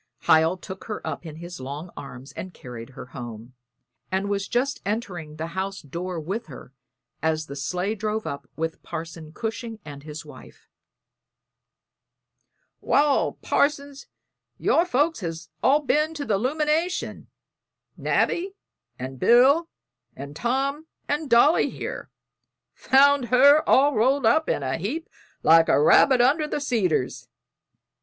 Hiel took her up in his long arms and carried her home, and was just entering the house door with her as the sleigh drove up with Parson Cushing and his wife. "Wal, Parson, your folks has all ben to the 'lumination Nabby and Bill and Tom and Dolly here; found her all rolled up in a heap like a rabbit under the cedars."